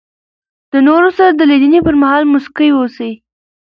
د نور سره د لیدني پر مهال مسکی واوسئ.